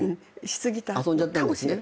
遊んじゃったんですね？